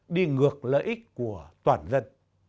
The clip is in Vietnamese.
đi ngược lợi ích của toàn dân